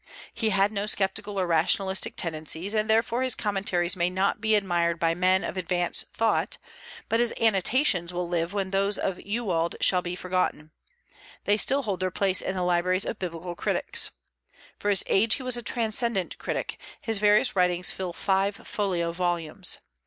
He had no sceptical or rationalistic tendencies, and therefore his Commentaries may not be admired by men of "advanced thought," but his annotations will live when those of Ewald shall be forgotten; they still hold their place in the libraries of biblical critics. For his age he was a transcendent critic; his various writings fill five folio volumes.